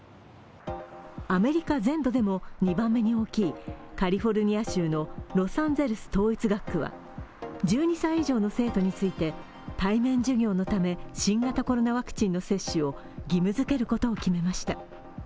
アメリカ全土でも２番目に大きいカリフォルニア州のロサンゼルス統一学区は１２歳以上の生徒について対面授業のため新型コロナワクチンの接種を義務づけることを決めました。